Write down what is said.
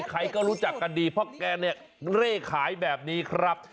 ใครก็รู้จักกันดีเพราะแกเนี่ยเร่ขายแบบนี้ครับ